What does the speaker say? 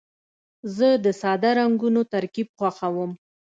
زه د ساده رنګونو ترکیب خوښوم.